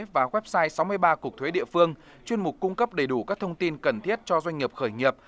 và website sáu mươi ba cục thuế địa phương chuyên mục cung cấp đầy đủ các thông tin cần thiết cho doanh nghiệp khởi nghiệp